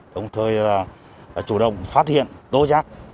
đồng thời là chủ động phát hiện tố giác